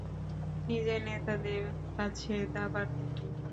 নিজের নেতাদের কাছে দাবার গুটি।